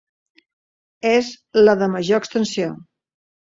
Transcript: És la de major extensió.